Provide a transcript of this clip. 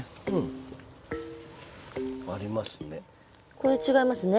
これは違いますね。